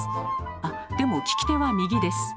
あっでも利き手は右です。